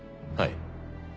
はい。